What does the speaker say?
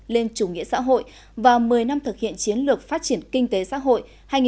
lên chủ nghĩa xã hội và một mươi năm thực hiện chiến lược phát triển kinh tế xã hội